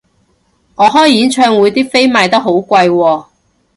我開演唱會啲飛賣好貴喎